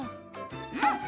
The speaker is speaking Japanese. うん！